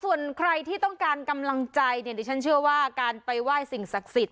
ส่วนใครที่ต้องการกำลังใจเนี่ยดิฉันเชื่อว่าการไปไหว้สิ่งศักดิ์สิทธิ